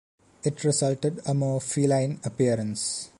It resulted a more feline appearance.